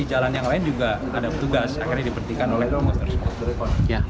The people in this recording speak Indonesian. di jalan yang lain juga ada petugas akhirnya dipertikan oleh rumah tersebut